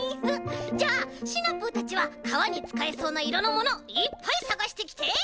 じゃあシナプーたちはかわにつかえそうないろのものいっぱいさがしてきて！